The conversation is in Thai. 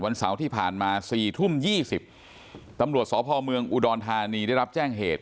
เสาร์ที่ผ่านมา๔ทุ่ม๒๐ตำรวจสพเมืองอุดรธานีได้รับแจ้งเหตุ